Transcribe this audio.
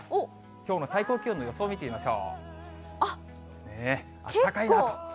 きょうの最高気温の予想を見てみましょう。